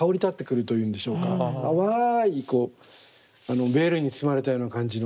淡いベールに包まれたような感じのね。